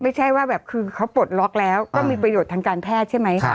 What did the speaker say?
ไม่ใช่ว่าแบบคือเขาปลดล็อกแล้วก็มีประโยชน์ทางการแพทย์ใช่ไหม